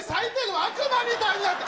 悪魔みたいになってる。